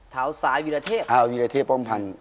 ท้าวสายวิยาเทพฯ